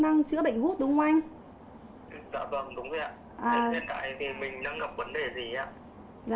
dạ vâng đúng rồi ạ hiện tại thì mình đang gặp vấn đề gì ạ